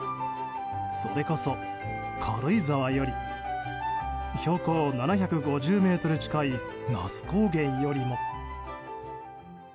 それこそ軽井沢より標高７５０ｍ近い那須高原よりも。